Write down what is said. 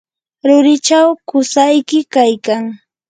rurichaw qusayki kaykan.